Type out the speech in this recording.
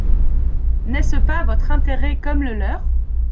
N’est-ce pas votre intérêt comme le leur ?